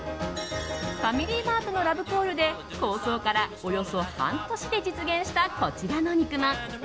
ファミリーマートのラブコールで構想からおよそ半年で実現したこちらの肉まん。